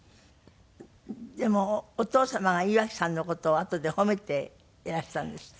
でもお父様が岩城さんの事をあとで褒めていらしたんですって？